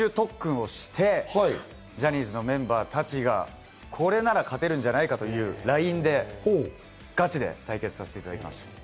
ですけど一点集中特訓をしてジャニーズのメンバーたちがこれなら勝てるんじゃないかというラインでガチで対決させていただきました。